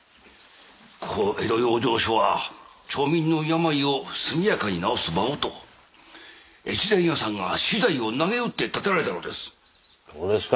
ここ江戸養生所は町民の病を速やかに治す場をと越前屋さんが私財をなげうって建てられたのですそうですか